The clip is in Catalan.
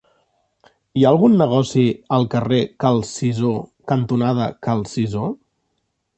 Hi ha algun negoci al carrer Cal Cisó cantonada Cal Cisó?